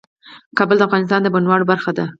کابل د افغانستان د بڼوالۍ برخه ده.